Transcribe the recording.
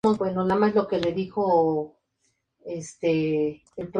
En la cárcel tenía una amiga que se llamaba Nacha.